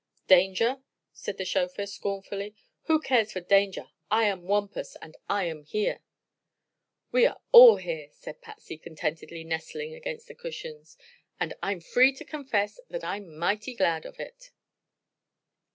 "Danger?" said the chauffeur, scornfully. "Who cares for danger? I am Wampus, an' I am here!" "We are all here," said Patsy, contentedly nestling against the cushions; "and I'm free to confess that I'm mighty glad of it!"